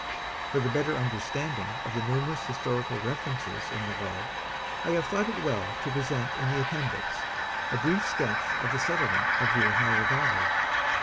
For the better understanding of the numerous historical references in the Log, I have thought it well to present in the Appendix a brief sketch of the settlement of the Ohio Valley.